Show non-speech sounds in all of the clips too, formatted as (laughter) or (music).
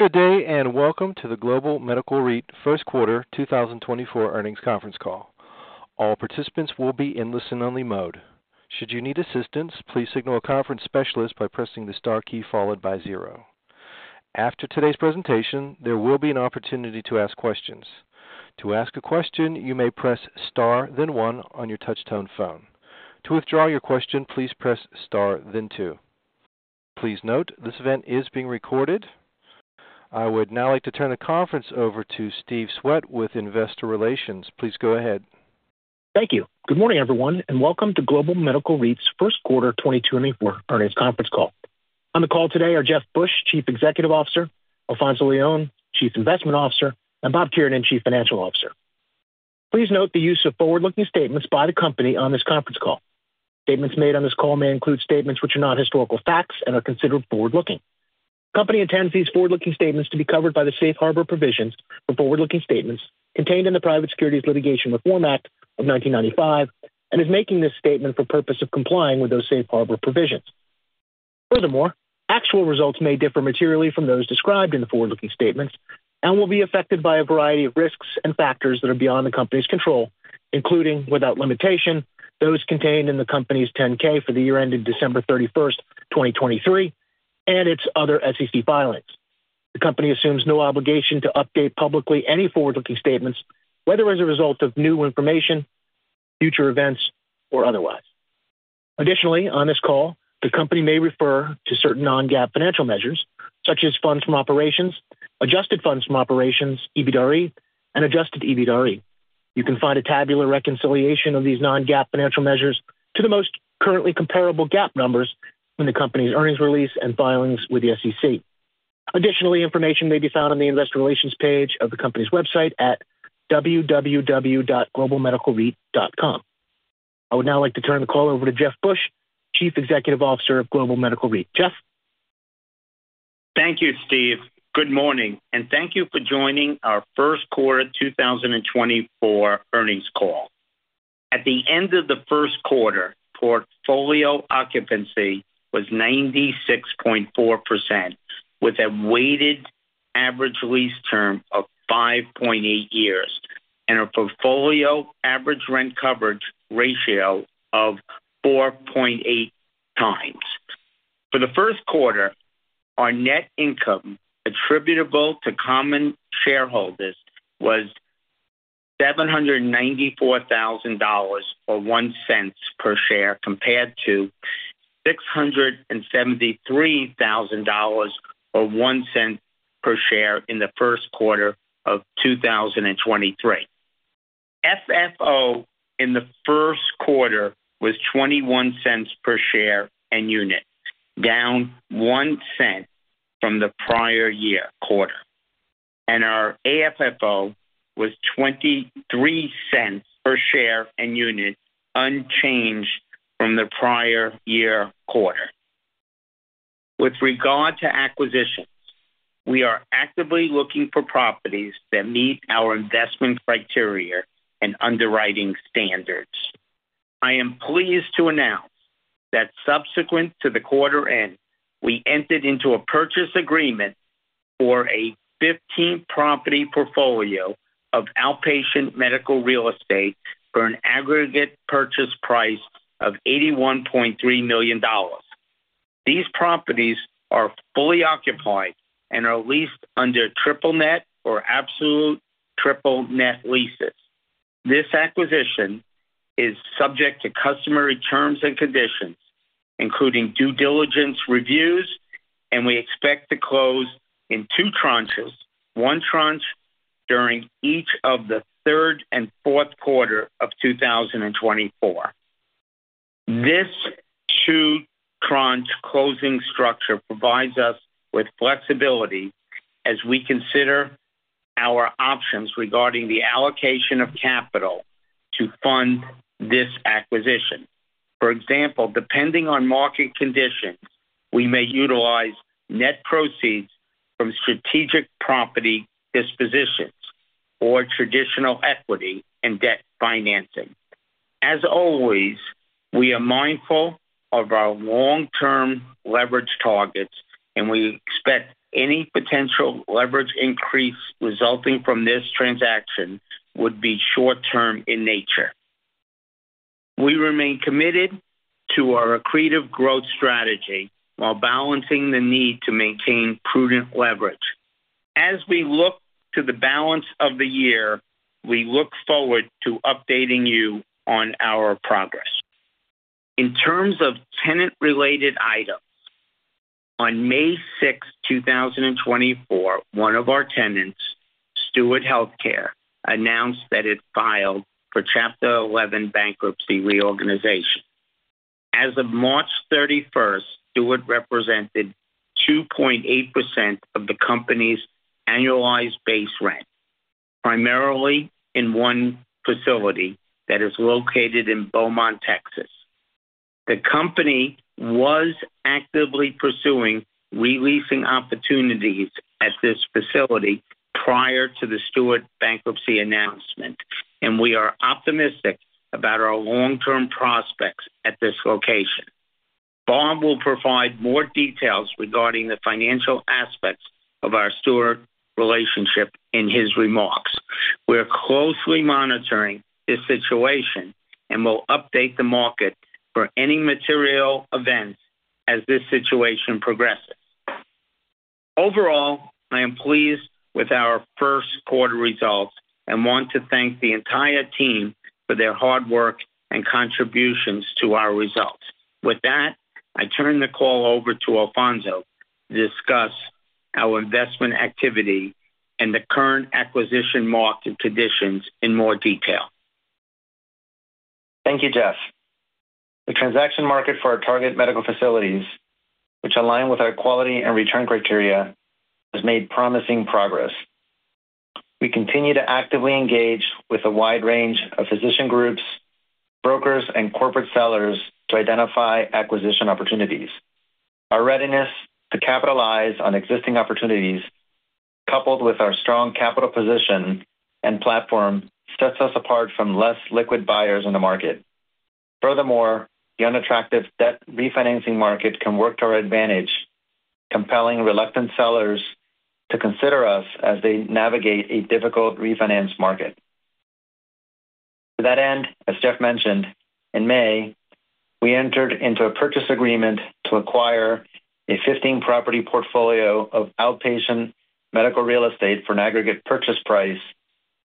Good day and welcome to the Global Medical REIT First Quarter 2024 earnings conference call. All participants will be in listen-only mode. Should you need assistance, please signal a conference specialist by pressing the star key followed by zero. After today's presentation, there will be an opportunity to ask questions. To ask a question, you may press star, then one, on your touch-tone phone. To withdraw your question, please press star, then two. Please note, this event is being recorded. I would now like to turn the conference over to Steve Swett with Investor Relations. Please go ahead. Thank you. Good morning, everyone, and welcome to Global Medical REIT's First Quarter 2024 earnings conference call. On the call today are Jeff Busch, Chief Executive Officer, Alfonzo Leon, Chief Investment Officer, and Bob Kiernan, Chief Financial Officer. Please note the use of forward-looking statements by the company on this conference call. Statements made on this call may include statements which are not historical facts and are considered forward-looking. The company intends these forward-looking statements to be covered by the Safe Harbor Provisions for forward-looking statements contained in the Private Securities Litigation Reform Act of 1995 and is making this statement for purpose of complying with those Safe Harbor Provisions. Furthermore, actual results may differ materially from those described in the forward-looking statements and will be affected by a variety of risks and factors that are beyond the company's control, including, without limitation, those contained in the company's 10-K for the year ended December 31st, 2023, and its other SEC filings. The company assumes no obligation to update publicly any forward-looking statements, whether as a result of new information, future events, or otherwise. Additionally, on this call, the company may refer to certain non-GAAP financial measures, such as Funds from Operations, Adjusted Funds from Operations, EBITDAre, and Adjusted EBITDAre. You can find a tabular reconciliation of these non-GAAP financial measures to the most currently comparable GAAP numbers from the company's earnings release and filings with the SEC. Additionally, information may be found on the Investor Relations page of the company's website at www.globalmedicalreit.com. I would now like to turn the call over to Jeff Busch, Chief Executive Officer of Global Medical REIT. Jeff? Thank you, Steve. Good morning, and thank you for joining our First Quarter 2024 Earnings Call. At the end of the first quarter, portfolio occupancy was 96.4% with a weighted average lease term of 5.8 years and a portfolio average rent coverage ratio of 4.8x. For the first quarter, our net income attributable to common shareholders was $794,000, or $0.01 per share compared to $673,000, or $0.01 per share in the first quarter of 2023. FFO in the first quarter was $0.21 per share and unit, down $0.01 from the prior year quarter. Our AFFO was $0.23 per share and unit, unchanged from the prior year quarter. With regard to acquisitions, we are actively looking for properties that meet our investment criteria and underwriting standards. I am pleased to announce that subsequent to the quarter end, we entered into a purchase agreement for a 15-property portfolio of outpatient medical real estate for an aggregate purchase price of $81.3 million. These properties are fully occupied and are leased under triple net or absolute triple net leases. This acquisition is subject to customary terms and conditions, including due diligence reviews, and we expect to close in two tranches, one tranche during each of the third and fourth quarter of 2024. This two-tranche closing structure provides us with flexibility as we consider our options regarding the allocation of capital to fund this acquisition. For example, depending on market conditions, we may utilize net proceeds from strategic property dispositions or traditional equity and debt financing. As always, we are mindful of our long-term leverage targets, and we expect any potential leverage increase resulting from this transaction would be short-term in nature. We remain committed to our accretive growth strategy while balancing the need to maintain prudent leverage. As we look to the balance of the year, we look forward to updating you on our progress. In terms of tenant-related items, on May 6, 2024, one of our tenants, Steward Health Care, announced that it filed for Chapter 11 bankruptcy reorganization. As of March 31st, Steward represented 2.8% of the company's annualized base rent, primarily in one facility that is located in Beaumont, Texas. The company was actively pursuing releasing opportunities at this facility prior to the Steward bankruptcy announcement, and we are optimistic about our long-term prospects at this location. Bob will provide more details regarding the financial aspects of our Steward relationship in his remarks. We are closely monitoring this situation and will update the market for any material events as this situation progresses. Overall, I am pleased with our first quarter results and want to thank the entire team for their hard work and contributions to our results. With that, I turn the call over to Alfonzo to discuss our investment activity and the current acquisition market conditions in more detail. Thank you, Jeff. The transaction market for our target medical facilities, which align with our quality and return criteria, has made promising progress. We continue to actively engage with a wide range of physician groups, brokers, and corporate sellers to identify acquisition opportunities. Our readiness to capitalize on existing opportunities, coupled with our strong capital position and platform, sets us apart from less liquid buyers in the market. Furthermore, the unattractive debt refinancing market can work to our advantage, compelling reluctant sellers to consider us as they navigate a difficult refinance market. To that end, as Jeff mentioned, in May, we entered into a purchase agreement to acquire a 15-property portfolio of outpatient medical real estate for an aggregate purchase price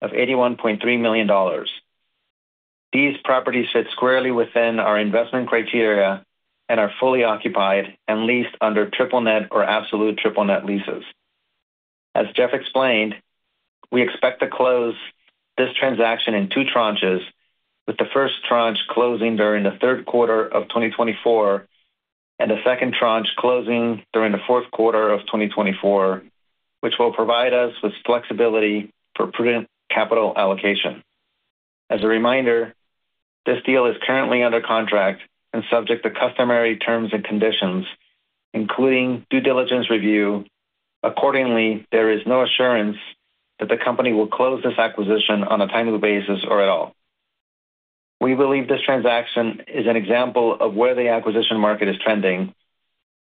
of $81.3 million. These properties fit squarely within our investment criteria and are fully occupied and leased under triple net or absolute triple net leases. As Jeff explained, we expect to close this transaction in two tranches, with the first tranche closing during the third quarter of 2024 and the second tranche closing during the fourth quarter of 2024, which will provide us with flexibility for prudent capital allocation. As a reminder, this deal is currently under contract and subject to customary terms and conditions, including due diligence review. Accordingly, there is no assurance that the company will close this acquisition on a timely basis or at all. We believe this transaction is an example of where the acquisition market is trending,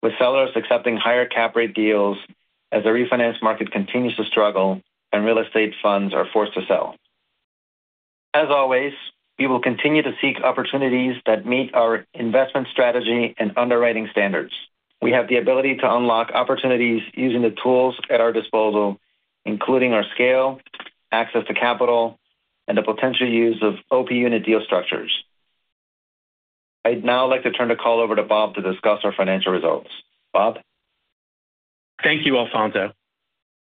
with sellers accepting higher cap rate deals as the refinance market continues to struggle and real estate funds are forced to sell. As always, we will continue to seek opportunities that meet our investment strategy and underwriting standards. We have the ability to unlock opportunities using the tools at our disposal, including our scale, access to capital, and the potential use of OP unit deal structures. I'd now like to turn the call over to Bob to discuss our financial results. Bob? Thank you, Alfonzo.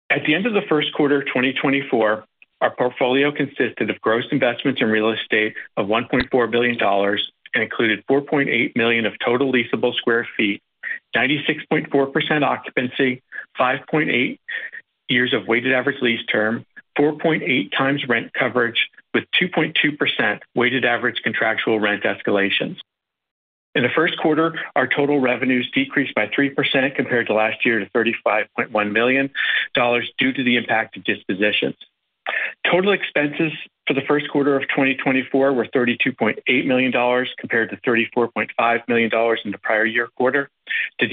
At the end of the first quarter 2024, our portfolio consisted of gross investments in real estate of $1.4 billion and included 4.8 million sq ft of total leasable square feet, 96.4% occupancy, 5.8 years of weighted average lease term, 4.8x rent coverage with 2.2% weighted average contractual rent escalations. In the first quarter, our total revenues decreased by 3% compared to last year to $35.1 million due to the impact of dispositions. Total expenses for the first quarter of 2024 were $32.8 million compared to $34.5 million in the prior year quarter. The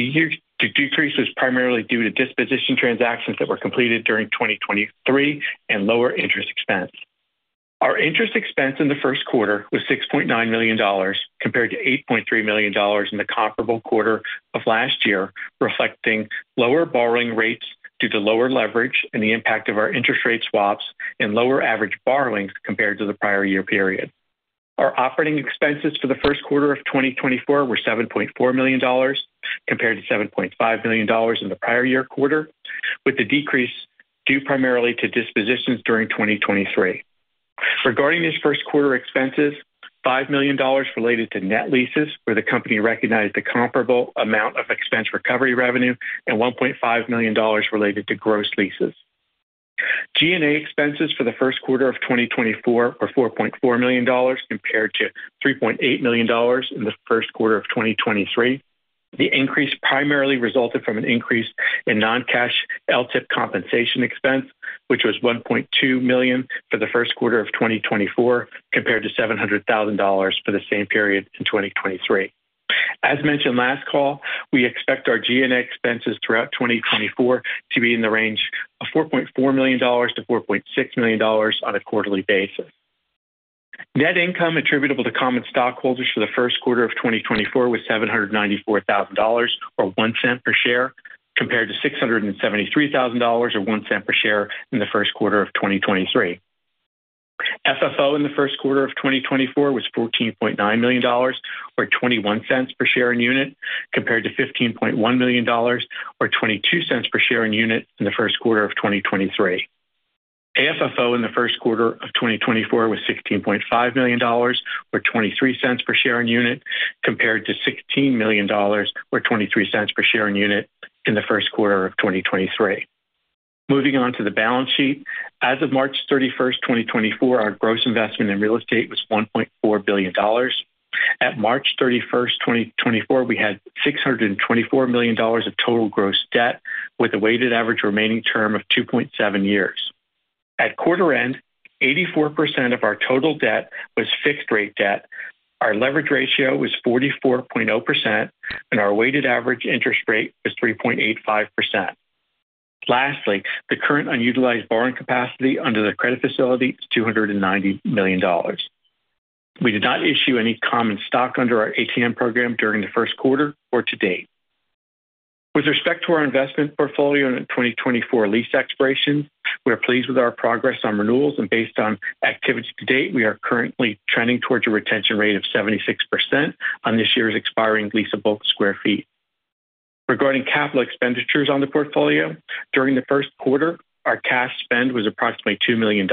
decrease was primarily due to disposition transactions that were completed during 2023 and lower interest expense. Our interest expense in the first quarter was $6.9 million compared to $8.3 million in the comparable quarter of last year, reflecting lower borrowing rates due to lower leverage and the impact of our interest rate swaps and lower average borrowings compared to the prior year period. Our operating expenses for the first quarter of 2024 were $7.4 million compared to $7.5 million in the prior year quarter, with the decrease due primarily to dispositions during 2023. Regarding these first quarter expenses, $5 million related to net leases where the company recognized the comparable amount of expense recovery revenue and $1.5 million related to gross leases. G&A expenses for the first quarter of 2024 were $4.4 million compared to $3.8 million in the first quarter of 2023. The increase primarily resulted from an increase in non-cash LTIP compensation expense, which was $1.2 million for the first quarter of 2024 compared to $700,000 for the same period in 2023. As mentioned last call, we expect our G&A expenses throughout 2024 to be in the range of $4.4 million-$4.6 million on a quarterly basis. Net income attributable to common stockholders for the first quarter of 2024 was $794,000 or $0.01 per share compared to $673,000 or $0.01 per share in the first quarter of 2023. FFO in the first quarter of 2024 was $14.9 million or $0.21 per share and unit compared to $15.1 million or $0.22 per share and unit in the first quarter of 2023. AFFO in the first quarter of 2024 was $16.5 million or $0.23 per share and unit compared to $16 million or $0.23 per share and unit in the first quarter of 2023. Moving on to the balance sheet, as of March 31st, 2024, our gross investment in real estate was $1.4 billion. At March 31st, 2024, we had $624 million of total gross debt with a weighted average remaining term of 2.7 years. At quarter end, 84% of our total debt was fixed rate debt. Our leverage ratio was 44.0%, and our weighted average interest rate was 3.85%. Lastly, the current unutilized borrowing capacity under the credit facility is $290 million. We did not issue any common stock under our ATM program during the first quarter or to date. With respect to our investment portfolio and 2024 lease expirations, we are pleased with our progress on renewals. Based on activity to date, we are currently trending towards a retention rate of 76% on this year's expiring lease of both square feet. Regarding capital expenditures on the portfolio, during the first quarter, our cash spend was approximately $2 million.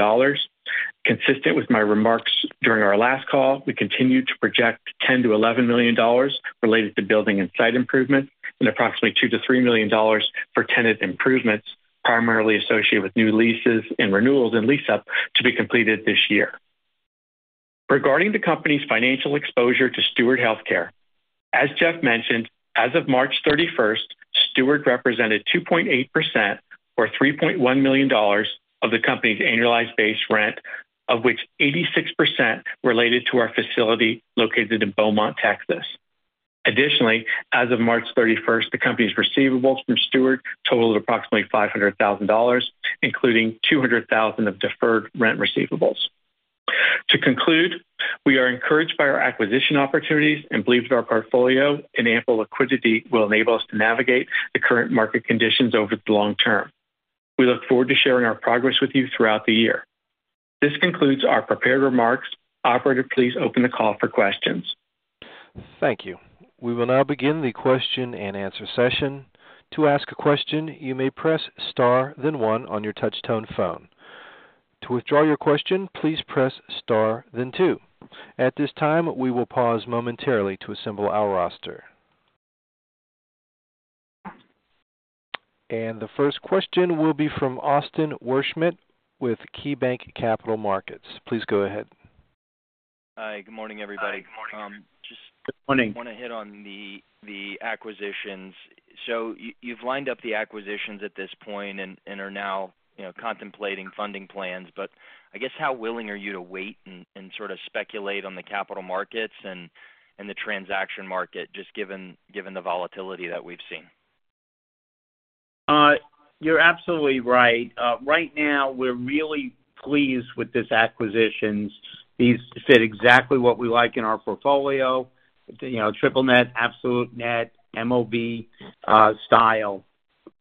Consistent with my remarks during our last call, we continue to project $10 million-$11 million related to building and site improvements and approximately $2 million-$3 million for tenant improvements, primarily associated with new leases and renewals and lease-up to be completed this year. Regarding the company's financial exposure to Steward Health Care, as Jeff mentioned, as of March 31st, Steward represented 2.8% or $3.1 million of the company's annualized base rent, of which 86% related to our facility located in Beaumont, Texas. Additionally, as of March 31st, the company's receivables from Steward totaled approximately $500,000, including $200,000 of deferred rent receivables. To conclude, we are encouraged by our acquisition opportunities and believe that our portfolio and ample liquidity will enable us to navigate the current market conditions over the long term. We look forward to sharing our progress with you throughout the year. This concludes our prepared remarks. Operator, please open the call for questions. Thank you. We will now begin the question and answer session. To ask a question, you may press star, then one on your touch-tone phone. To withdraw your question, please press star, then two. At this time, we will pause momentarily to assemble our roster. The first question will be from Austin Wurschmidt with KeyBanc Capital Markets. Please go ahead. Hi. Good morning, everybody. Just want to hit on the acquisitions. So you've lined up the acquisitions at this point and are now contemplating funding plans. But I guess how willing are you to wait and sort of speculate on the capital markets and the transaction market, just given the volatility that we've seen? You're absolutely right. Right now, we're really pleased with these acquisitions. These fit exactly what we like in our portfolio: triple net, absolute net, MOB-style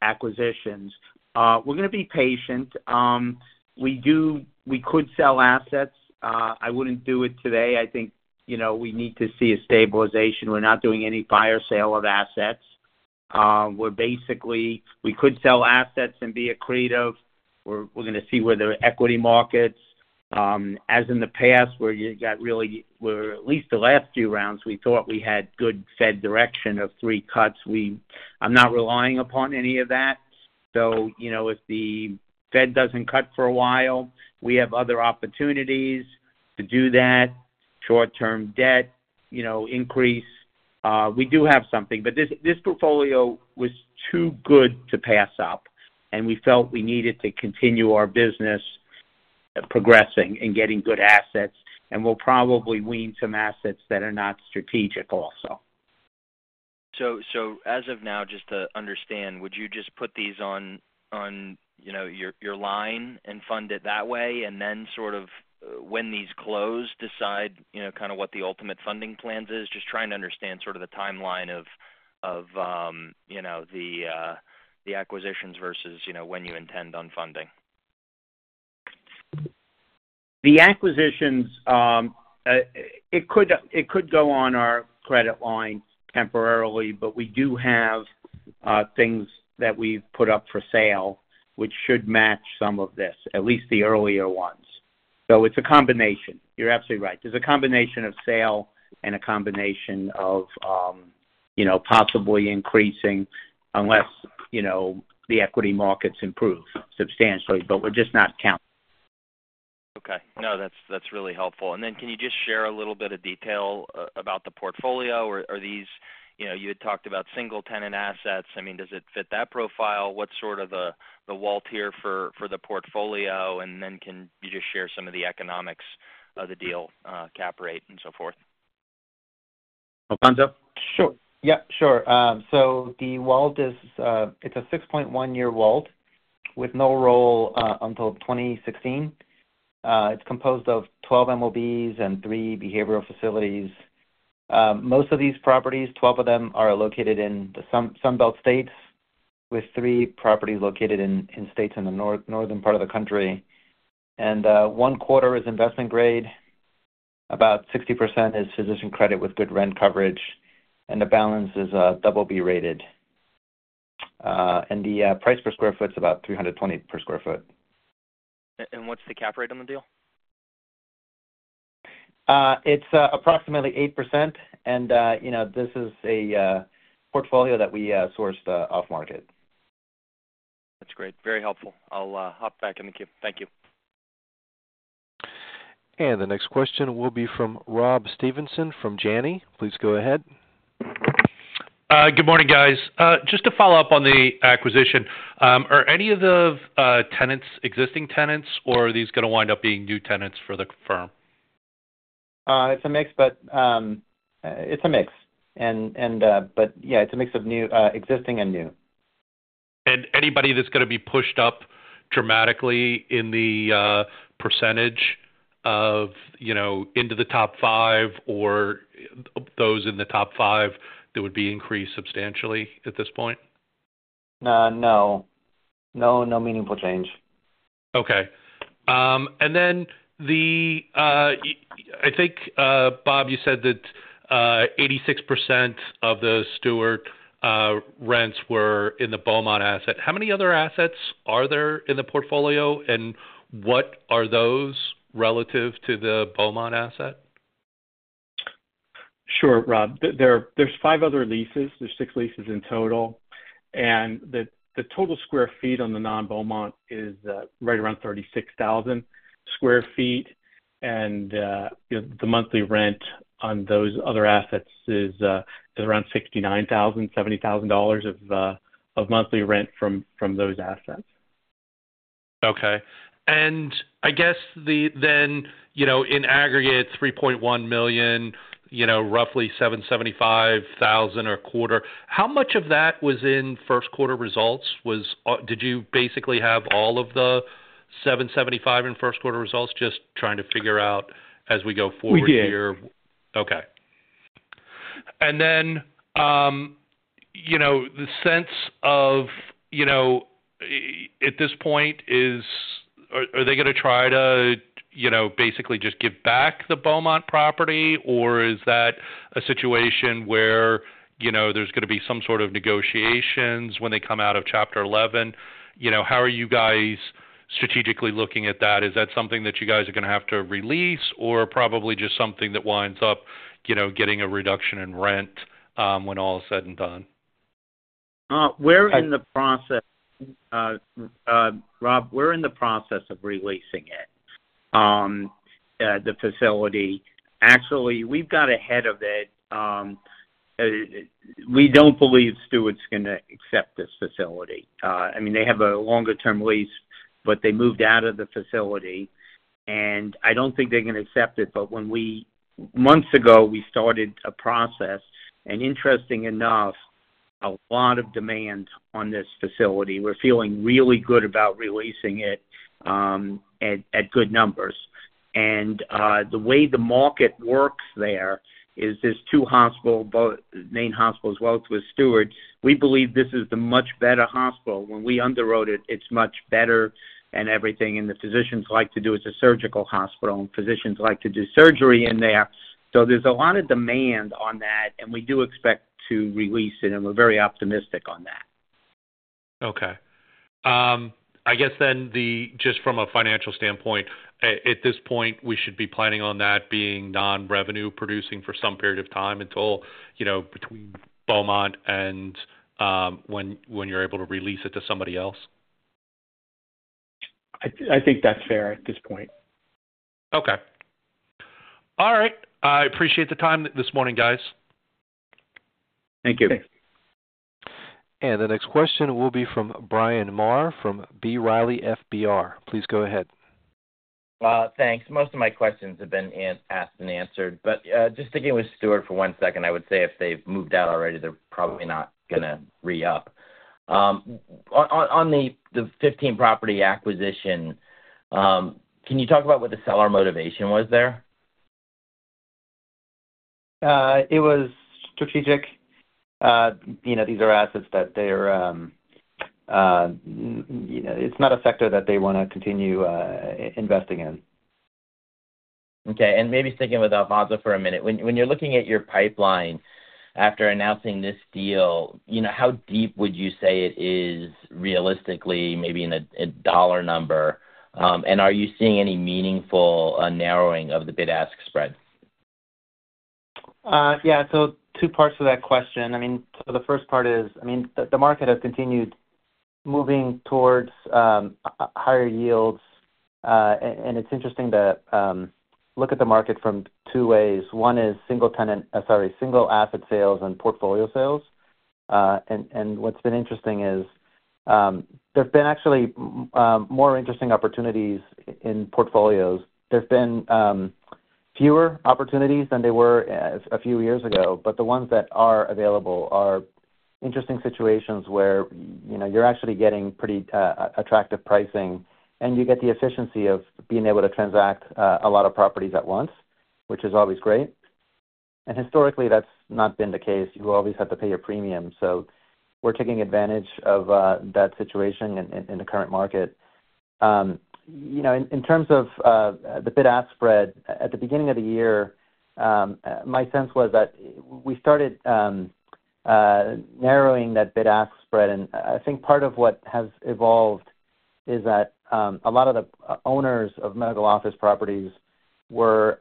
acquisitions. We're going to be patient. We could sell assets. I wouldn't do it today. I think we need to see a stabilization. We're not doing any fire sale of assets. We could sell assets and be accretive. We're going to see where the equity markets as in the past, where you got really where at least the last few rounds, we thought we had good Fed direction of three cuts. I'm not relying upon any of that. So if the Fed doesn't cut for a while, we have other opportunities to do that: short-term debt increase. We do have something. But this portfolio was too good to pass up, and we felt we needed to continue our business progressing and getting good assets. We'll probably wean some assets that are not strategic also. So as of now, just to understand, would you just put these on your line and fund it that way, and then sort of when these close, decide kind of what the ultimate funding plans is? Just trying to understand sort of the timeline of the acquisitions versus when you intend on funding. The acquisitions, it could go on our credit line temporarily, but we do have things that we've put up for sale which should match some of this, at least the earlier ones. So it's a combination. You're absolutely right. It's a combination of sale and a combination of possibly increasing unless the equity markets improve substantially. But we're just not counting. Okay. No, that's really helpful. And then can you just share a little bit of detail about the portfolio? You had talked about single tenant assets. I mean, does it fit that profile? What's sort of the WALT here for the portfolio? And then can you just share some of the economics of the deal, cap rate, and so forth? Alfonzo? Sure. Yeah, sure. So the WALT, it's a 6.1-year WALT with no rollover until 2016. It's composed of 12 MOBs and 3 behavioral facilities. Most of these properties, 12 of them are located in the Sun Belt states, with 3 properties located in states in the northern part of the country. And one quarter is investment grade. About 60% is physician credit with good rent coverage. And the balance is BB rated. And the price per sq ft is about 320 per sq ft. What's the cap rate on the deal? It's approximately 8%. This is a portfolio that we sourced off-market. That's great. Very helpful. I'll hop back in the queue. Thank you. The next question will be from Rob Stevenson from Janney. Please go ahead. Good morning, guys. Just to follow up on the acquisition, are any of the tenants existing tenants, or are these going to wind up being new tenants for the firm? It's a mix, but it's a mix. Yeah, it's a mix of existing and new. Anybody that's going to be pushed up dramatically in the percentage of into the top five or those in the top five that would be increased substantially at this point? No. No, no meaningful change. Okay. And then I think, Bob, you said that 86% of the Steward rents were in the Beaumont asset. How many other assets are there in the portfolio, and what are those relative to the Beaumont asset? Sure, Rob. There's 5 other leases. There's 6 leases in total. The total square feet on the non-Beaumont is right around 36,000 sq ft. The monthly rent on those other assets is around $69,000-$70,000 of monthly rent from those assets. Okay. And I guess then in aggregate, $3.1 million, roughly $775,000 a quarter. How much of that was in first quarter results? Did you basically have all of the $775,000 in first quarter results? Just trying to figure out as we go forward here. We did. Okay. And then the sense of at this point, are they going to try to basically just give back the Beaumont property, or is that a situation where there's going to be some sort of negotiations when they come out of Chapter 11? How are you guys strategically looking at that? Is that something that you guys are going to have to release, or probably just something that winds up getting a reduction in rent when all is said and done? We're in the process, Rob. We're in the process of releasing it, the facility. Actually, we've got ahead of it. We don't believe Steward's going to accept this facility. I mean, they have a longer-term lease, but they moved out of the facility. And I don't think they're going to accept it. But months ago, we started a process. And interesting enough, a lot of demand on this facility. We're feeling really good about releasing it at good numbers. And the way the market works there is there's two hospitals, main hospitals both with Steward. We believe this is the much better hospital. When we underwrote it, it's much better and everything. And the physicians like to do it's a surgical hospital, and physicians like to do surgery in there. So there's a lot of demand on that, and we do expect to release it. We're very optimistic on that. Okay. I guess then just from a financial standpoint, at this point, we should be planning on that being non-revenue producing for some period of time until between Beaumont and when you're able to release it to somebody else? I think that's fair at this point. Okay. All right. I appreciate the time this morning, guys. Thank you. Thanks. The next question will be from Bryan Maher from B. Riley FBR. Please go ahead. Thanks. Most of my questions have been asked and answered. But just sticking with Steward for one second, I would say if they've moved out already, they're probably not going to re-up. On the 15 property acquisition, can you talk about what the seller motivation was there? It was strategic. These are assets that it's not a sector that they want to continue investing in. Okay. And maybe sticking with Alfonzo for a minute, when you're looking at your pipeline after announcing this deal, how deep would you say it is realistically, maybe in a dollar number? And are you seeing any meaningful narrowing of the bid-ask spread? Yeah. So two parts of that question. I mean, so the first part is I mean, the market has continued moving towards higher yields. And it's interesting to look at the market from two ways. One is single tenant sorry, single asset sales and portfolio sales. And what's been interesting is there've been actually more interesting opportunities in portfolios. There's been fewer opportunities than there were a few years ago. But the ones that are available are interesting situations where you're actually getting pretty attractive pricing, and you get the efficiency of being able to transact a lot of properties at once, which is always great. And historically, that's not been the case. You always have to pay a premium. So we're taking advantage of that situation in the current market. In terms of the bid-ask spread, at the beginning of the year, my sense was that we started narrowing that bid-ask spread. I think part of what has evolved is that a lot of the owners of medical office properties were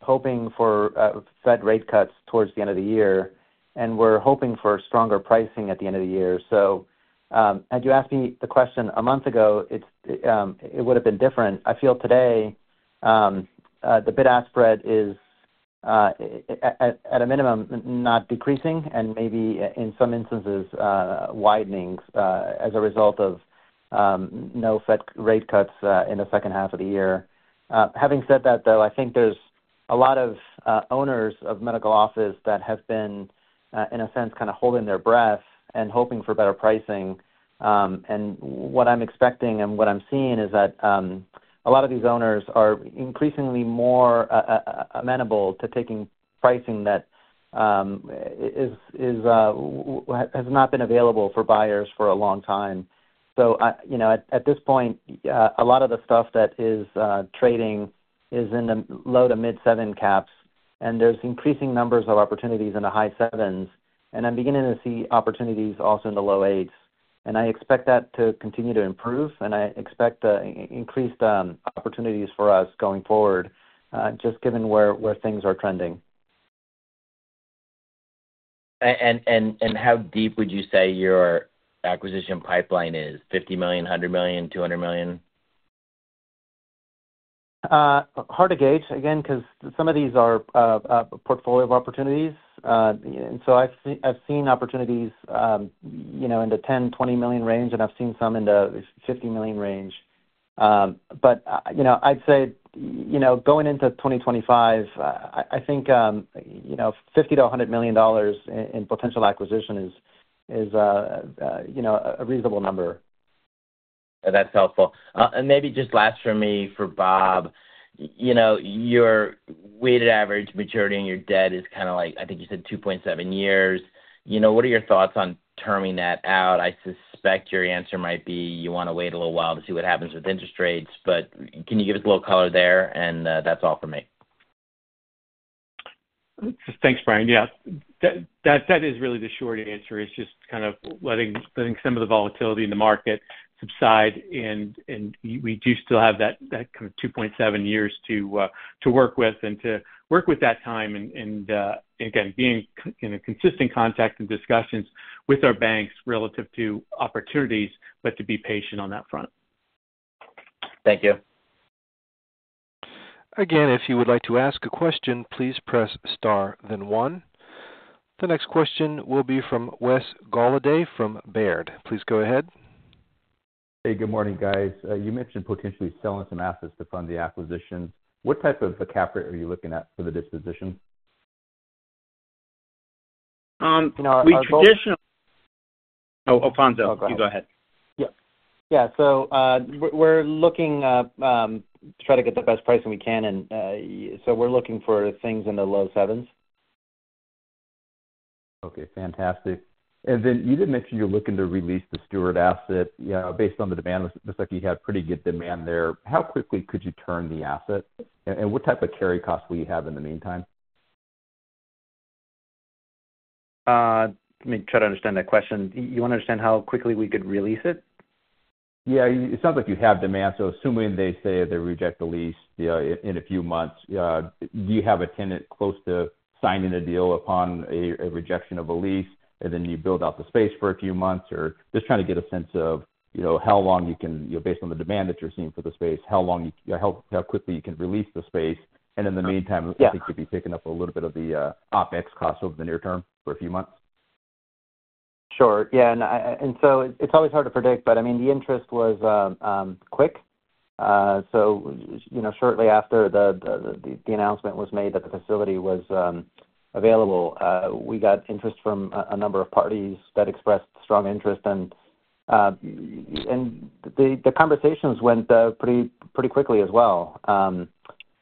hoping for Fed rate cuts towards the end of the year and were hoping for stronger pricing at the end of the year. Had you asked me the question a month ago, it would have been different. I feel today, the bid-ask spread is, at a minimum, not decreasing and maybe in some instances, widening as a result of no Fed rate cuts in the second half of the year. Having said that, though, I think there's a lot of owners of medical office that have been, in a sense, kind of holding their breath and hoping for better pricing. What I'm expecting and what I'm seeing is that a lot of these owners are increasingly more amenable to taking pricing that has not been available for buyers for a long time. So at this point, a lot of the stuff that is trading is in the low- to mid-7 caps, and there's increasing numbers of opportunities in the high 7s. I'm beginning to see opportunities also in the low 8s. I expect that to continue to improve. I expect increased opportunities for us going forward, just given where things are trending. How deep would you say your acquisition pipeline is? $50 million, $100 million, $200 million? Hard to gauge, again, because some of these are portfolio opportunities. And so I've seen opportunities in the $10 million-$20 million range, and I've seen some in the $50 million range. But I'd say going into 2025, I think $50 million-$100 million in potential acquisition is a reasonable number. That's helpful. Maybe just last from me for Bob, your weighted average maturity on your debt is kind of like, I think you said, 2.7 years. What are your thoughts on terming that out? I suspect your answer might be you want to wait a little while to see what happens with interest rates. But can you give us a little color there? That's all from me. Thanks, Bryan. Yeah, that is really the short answer. It's just kind of letting some of the volatility in the market subside. And we do still have that kind of 2.7 years to work with and to work with that time and, again, being in a consistent contact and discussions with our banks relative to opportunities, but to be patient on that front. Thank you. Again, if you would like to ask a question, please press star, then one. The next question will be from Wes Golladay from Baird. Please go ahead. Hey, good morning, guys. You mentioned potentially selling some assets to fund the acquisitions. What type of a cap rate are you looking at for the disposition? We traditionally. (crosstalk) Oh, Alfonzo, you go ahead. Yeah. Yeah. So we're looking to try to get the best pricing we can. And so we're looking for things in the low sevens. Okay. Fantastic. And then you did mention you're looking to release the Steward asset. Based on the demand, it looks like you had pretty good demand there. How quickly could you turn the asset? And what type of carry cost will you have in the meantime? Let me try to understand that question. You want to understand how quickly we could release it? Yeah. It sounds like you have demand. So assuming they say they reject the lease in a few months, do you have a tenant close to signing a deal upon a rejection of a lease? And then you build out the space for a few months or just trying to get a sense of how long you can based on the demand that you're seeing for the space, how quickly you can release the space. And in the meantime, I think you'd be picking up a little bit of the OpEx cost over the near term for a few months. Sure. Yeah. And so it's always hard to predict. But I mean, the interest was quick. So shortly after the announcement was made that the facility was available, we got interest from a number of parties that expressed strong interest. And the conversations went pretty quickly as well.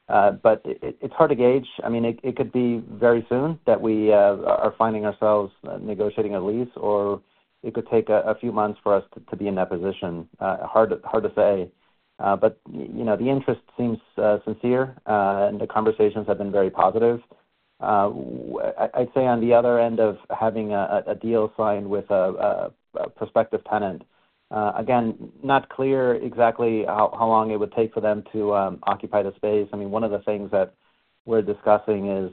But it's hard to gauge. I mean, it could be very soon that we are finding ourselves negotiating a lease, or it could take a few months for us to be in that position. Hard to say. But the interest seems sincere, and the conversations have been very positive. I'd say on the other end of having a deal signed with a prospective tenant, again, not clear exactly how long it would take for them to occupy the space. I mean, one of the things that we're discussing is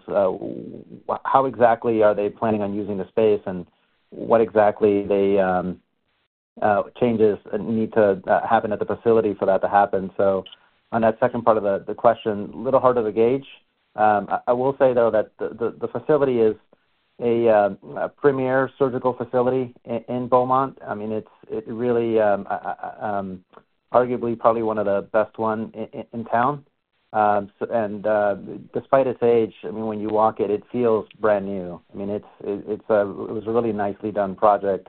how exactly are they planning on using the space and what exactly changes need to happen at the facility for that to happen. So on that second part of the question, a little harder to gauge. I will say, though, that the facility is a premier surgical facility in Beaumont. I mean, it's really arguably probably one of the best ones in town. And despite its age, I mean, when you walk it, it feels brand new. I mean, it was a really nicely done project.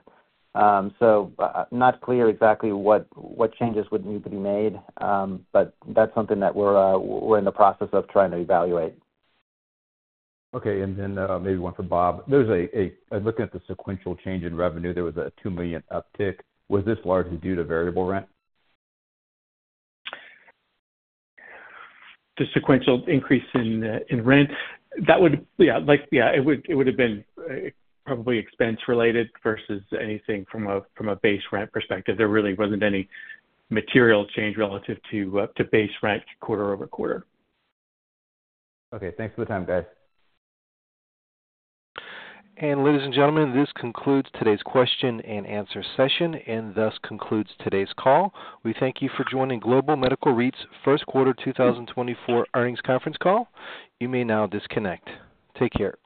So not clear exactly what changes would need to be made, but that's something that we're in the process of trying to evaluate. Okay. And then maybe one for Bob. Looking at the sequential change in revenue, there was a $2 million uptick. Was this largely due to variable rent? The sequential increase in rent, yeah, it would have been probably expense-related versus anything from a base rent perspective. There really wasn't any material change relative to base rent quarter-over-quarter. Okay. Thanks for the time, guys. Ladies and gentlemen, this concludes today's question and answer session and thus concludes today's call. We thank you for joining Global Medical REIT's first quarter 2024 earnings conference call. You may now disconnect. Take care.